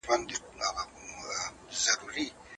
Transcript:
سياستوالو د ټولني پر وړاندي خپل مسووليتونه منلي دي.